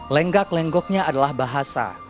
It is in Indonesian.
lenggak lenggoknya adalah bahasa